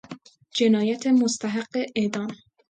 جنایت مستحق اعدام